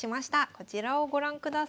こちらをご覧ください。